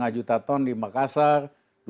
lima juta ton di makassar